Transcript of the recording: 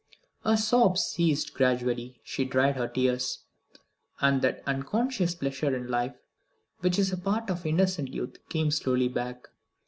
Her sobs ceased gradually, she dried her tears, and that unconscious pleasure in life which is a part of innocent youth came slowly back.